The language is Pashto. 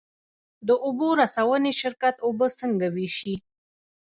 د اوبو رسونې شرکت اوبه څنګه ویشي؟